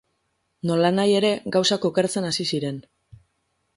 Nolanahi ere, gauzak okertzen hasi ziren.